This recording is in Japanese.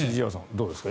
どうですか。